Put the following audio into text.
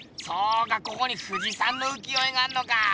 そうかここに富士山の浮世絵があんのか。